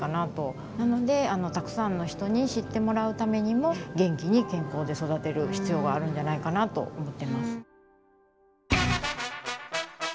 なのでたくさんの人に知ってもらうためにも元気に健康で育てる必要があるんじゃないかなと思ってます。